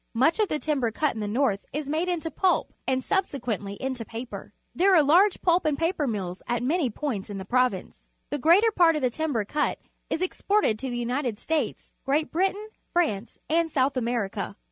Much of the timber cut in the north is made into pulp and subse quently into paper. There are large pulp andjjaper mills at many points in the prov ince. The greater part of the timber cut is exported to the United States, Great Britain, Vmnof^ nnH S"utb Ame rica.